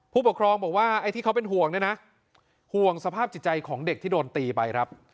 ผู้ปกครองบอกว่าไอ้ที่เขาเป็นห่วงเนี่ยนะห่วงสภาพจิตใจของเด็กที่โดนตีไปครับ